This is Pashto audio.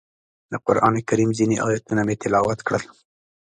د قرانکریم ځینې ایتونه مې تلاوت کړل.